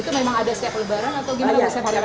itu memang ada setiap lebaran atau gimana setiap hari raya